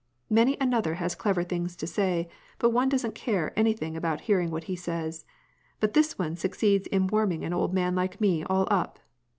Many another has clever things to say, but one doesn't care anything about hearing what he says. But this one suc ceeds in warming an old man like me all up.